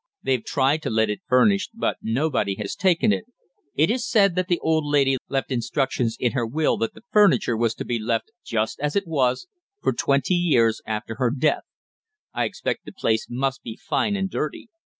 They've tried to let it furnished, but nobody has taken it. It is said that the old lady left instructions in her will that the furniture was to be left just as it was for twenty years after her death. I expect the place must be fine and dirty!